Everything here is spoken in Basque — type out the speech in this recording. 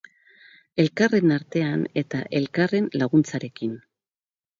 Elkarren artean eta elkarren laguntzarekin.